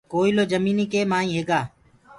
ڪوئلو جميٚنيٚ ڪي مآئينٚ هيگآ